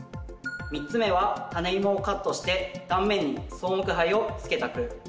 ３つ目はタネイモをカットして断面に草木灰をつけた区。